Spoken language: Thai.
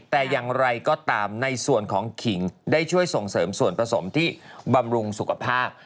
แต่อย่างไรก็ตามในส่วนของขิงได้ช่วยส่งเสริมส่วนผสมที่บำรุงสุขภาพ